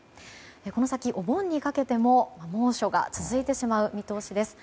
この先、お盆にかけても猛暑が続いてしまう見通しです。